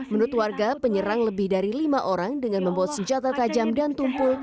menurut warga penyerang lebih dari lima orang dengan membawa senjata tajam dan tumpul